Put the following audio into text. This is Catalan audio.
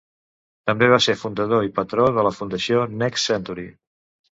També va ser fundador i patró de la Fundació Next Century.